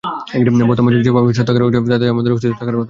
বর্তমান সরকার যেভাবে অত্যাচার করেছে, তাতে আমাদের অস্তিত্বই থাকার কথা নয়।